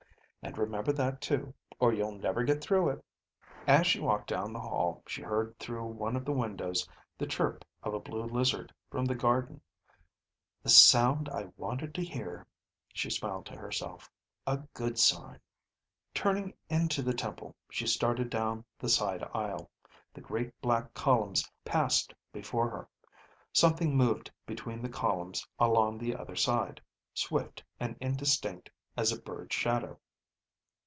And remember that too. Or you'll never get through it." As she walked down the hall, she heard through one of the windows the chirp of a blue lizard from the garden. "The sound I wanted to hear," she smiled to herself. "A good sign." Turning into the temple, she started down the side aisle. The great black columns passed before her. Something moved between the columns along the other side, swift and indistinct as a bird's shadow.